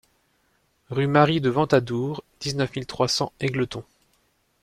Rue Marie de Ventadour, dix-neuf mille trois cents Égletons